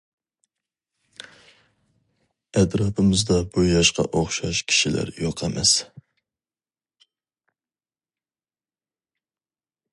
ئەتراپىمىزدا بۇ ياشقا ئوخشاش كىشىلەر يوق ئەمەس.